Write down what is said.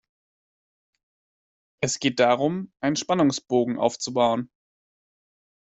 Es geht darum, einen Spannungsbogen aufzubauen.